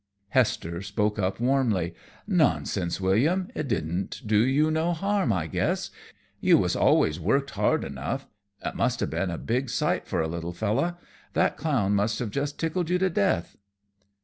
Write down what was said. Hester spoke up warmly: "Nonsense, William! It didn't do you no harm, I guess. You was always worked hard enough. It must have been a big sight for a little fellow. That clown must have just tickled you to death."